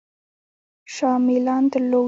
شاه میلان درلود.